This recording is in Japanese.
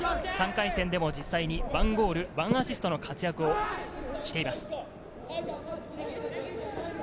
３回戦でも実際に１ゴール１アシストの活躍をしています。